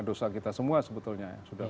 dosa kita semua sebetulnya ya sudah